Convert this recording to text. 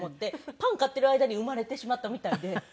パン買ってる間に生まれてしまったみたいで。